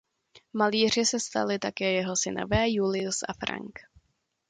Malíři se stali také jeho synové Julius a Frank.